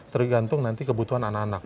tergantung nanti kebutuhan anak anak